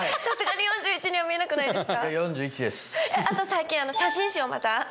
あと最近写真集をまた。